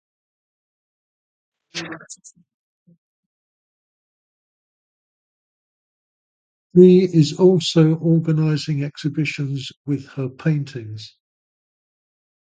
She is also organizing exhibitions with her paintings.